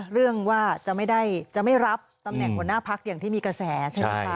เรื่องว่าจะไม่รับตำแหน่งหัวหน้าพักอย่างที่มีกระแสใช่ไหมคะ